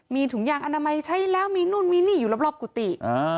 มีถุงยางอนามัยใช้แล้วมีนู่นมีนี่อยู่รอบกุฏิ